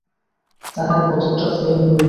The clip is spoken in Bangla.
তাহার কতকটা ফল হইল।